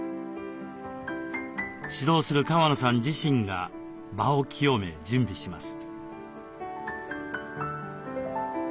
指導する川野さん自身が場を清め準備します。